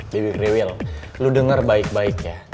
baby krewil lu denger baik baik ya